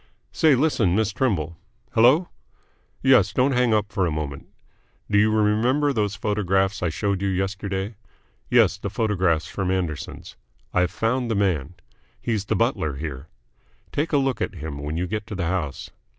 Say, listen, Miss Trimble. Hello? Yes, don't hang up for a moment. Do you remember those photographs I showed you yesterday? Yes, the photographs from Anderson's. I've found the man. He's the butler here. Take a look at him when you get to the house.